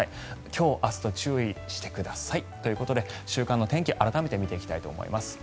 今日明日と注意してください。ということで週間の天気を改めて見ていきたいと思います。